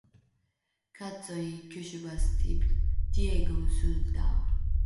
Katsoin kysyvästi Diegon suuntaan.